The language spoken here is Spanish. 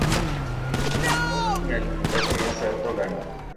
El robot con el puntaje más alto gana.